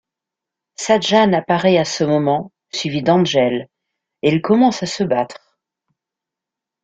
Sahjhan apparaît à ce moment, suivi d'Angel, et ils commencent à se battre.